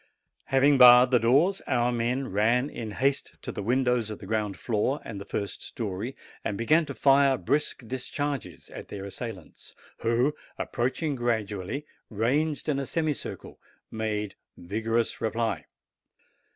Having barred the doors, our men ran in haste to the windows of the ground floor and the first story, and began to fire brisk discharges at their assailants, who, approaching gradually, ranged in a semicircle, made vigorous reply.